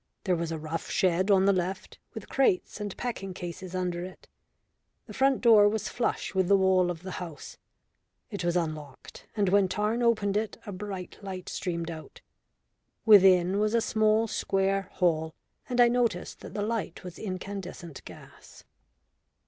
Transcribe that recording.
There was a rough shed on the left, with crates and packing cases under it. The front door was flush with the wall of the house. It was unlocked, and when Tarn opened it a bright light streamed out. Within was a small square hall, and I noticed that the light was incandescent gas.